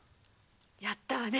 やったわね